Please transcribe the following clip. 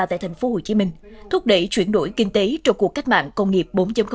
tại tp hcm thúc đẩy chuyển đổi kinh tế trong cuộc cách mạng công nghiệp bốn